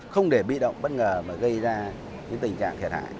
không để bị động bất ngờ mà gây ra những tình trạng thiệt hại